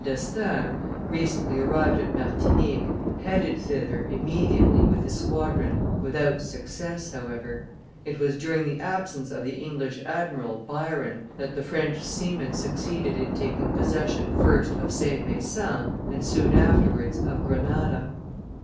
d'Estaing, recently arrived at Martinique, headed thither immediately with his squadron, without success, however: it was during the absence of the English admiral, Byron, that the French seamen succeeded in taking possession first of St. Vincent, and soon afterwards of Grenada.